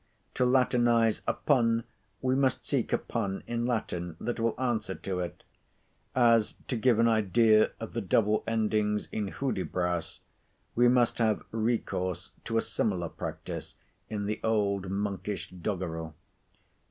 To Latinise a pun, we must seek a pun in Latin, that will answer to it; as, to give an idea of the double endings in Hudibras, we must have recourse to a similar practice in the old monkish doggrel.